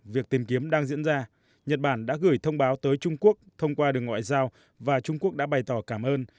việc tìm kiếm đang diễn ra nhật bản đã gửi thông báo tới trung quốc thông qua đường ngoại giao và trung quốc đã bày tỏ cảm ơn